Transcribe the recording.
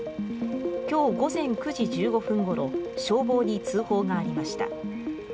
今日午前９時１５分ごろ消防に通報がありました。